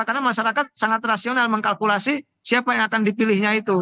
karena masyarakat sangat rasional mengkalkulasi siapa yang akan dipilihnya itu